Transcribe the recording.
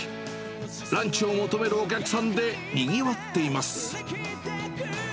ランチを求めるお客さんでにぎわっています。